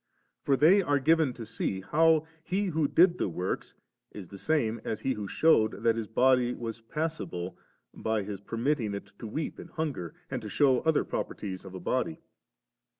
For they are given to see, how He who did the works is the same as He who shewed tliat His body was passible by His per mitting^ it to weep and hunger, and to shew other properties of a body.